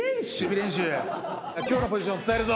今日のポジション伝えるぞ。